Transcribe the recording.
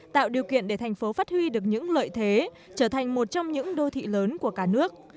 tạo điều kiện để thành phố phát huy được những lợi thế trở thành một trong những đô thị lớn của cả nước